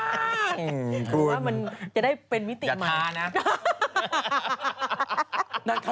หรือว่าจะได้เป็นวิธีใหม่